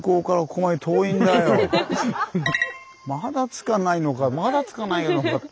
まだ着かないのかまだ着かないのか。